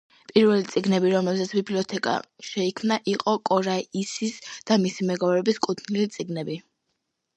პირველი წიგნები, რომლებზეც ბიბლიოთეკა შეიქმნა იყო კორაისის და მისი მეგობრების კუთვნილი წიგნები.